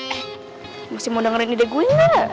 masih mau dengerin ide gue gak